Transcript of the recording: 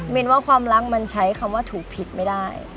นว่าความรักมันใช้คำว่าถูกผิดไม่ได้